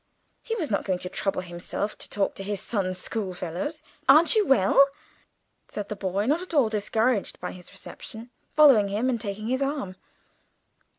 He was not going to trouble himself to talk to his son's schoolfellows. "Aren't you well?" said the boy, not at all discouraged by his reception, following him and taking his arm.